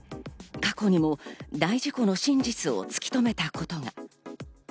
過去にも大事故の真実を突き止めたことが。